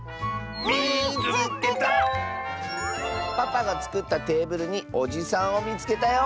「パパがつくったテーブルにおじさんをみつけたよ！」。